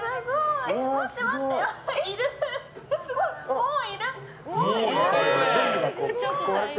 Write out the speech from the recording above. もういる。